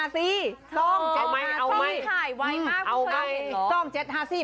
๒๗๕๔ที่ถ่ายไวมากคุณผู้ชม